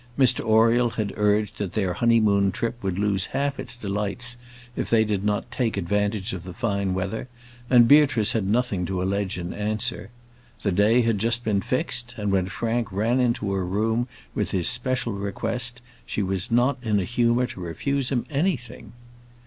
Mr Oriel had urged that their honeymoon trip would lose half its delights if they did not take advantage of the fine weather; and Beatrice had nothing to allege in answer. The day had just been fixed, and when Frank ran into her room with his special request, she was not in a humour to refuse him anything.